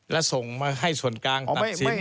และส่งมาให้ส่วนกลางตัดสิน